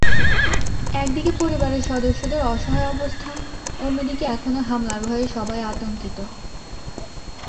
একদিকে পরিবারের সদস্যদের অসহায় অবস্থা, অন্যদিকে এখনো হামলার ভয়ে সবাই আতঙ্কিত।